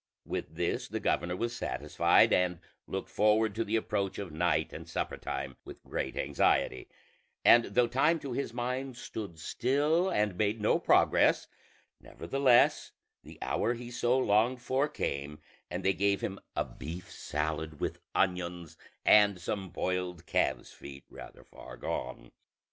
With this the governor was satisfied, and looked forward to the approach of night and supper time with great anxiety; and though time to his mind stood still and made no progress, nevertheless the hour he so longed for came, and they gave him a beef salad with onions, and some boiled calves' feet rather far gone.